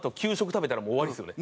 食べたらもう終わりですよね。